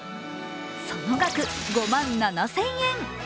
その額、５万７０００円。